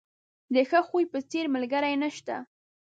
د ښه خوی په څېر، ملګری نشته.